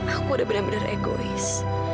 aku udah benar benar egois